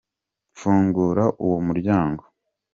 Fungura uwo muryango.